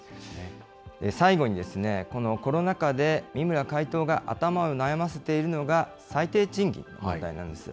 最後に、このコロナ禍で三村会頭が頭を悩ませているのが、最低賃金の問題なんです。